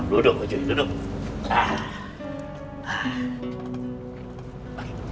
duduk ucuy duduk